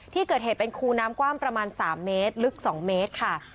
ที่เกิดเหตุเป็นคูน้ำกว้างประมาณ๓เมตรลึก๒เมตรค่ะ